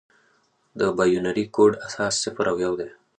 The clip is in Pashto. د بایونري کوډ اساس صفر او یو دي.